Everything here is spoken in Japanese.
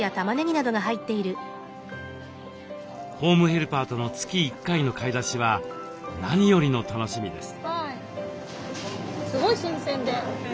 ホームヘルパーとの月１回の買い出しは何よりの楽しみです。